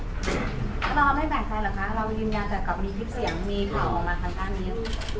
เราไม่แปลกใจหรอกค่ะเรายืนยันแต่กับมีพิสิทธิ์เสียงมีข่าวออกมาค่อนข้างนี้